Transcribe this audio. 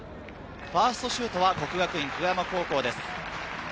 ファーストシュートは國學院久我山高校です。